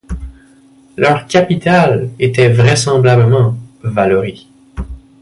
Leur capitale était vraisemblablement Vallauris.